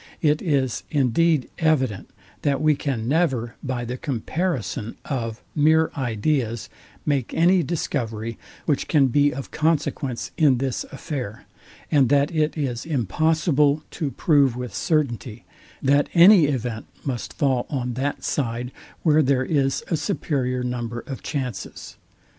It is indeed evident that we can never by the comparison of mere ideas make any discovery, which can be of consequence in this affairs and that it is impossible to prove with certainty, that any event must fall on that side where there is a superior number of chances.